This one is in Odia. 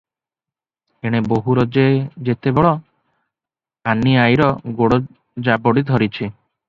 ଏଣେ ବୋହୂର ଯେତେ ବଳ, ଅନୀ ଆଈର ଗୋଡ଼ ଜାବଡ଼ି ଧରିଛି ।